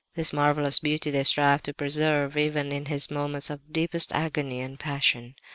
This marvellous beauty they strive to preserve even in His moments of deepest agony and passion.